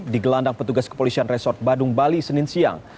di gelandang petugas kepolisian resort badung bali senin siang